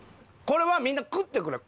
これはみんな食ってくれ。